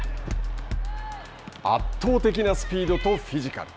圧倒的なスピードとフィジカル。